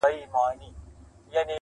چي فلک به کوږ ورګوري دښمن زما دی.!